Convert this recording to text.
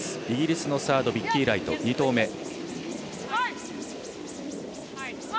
イギリスのサードビッキー・ライトの２投目。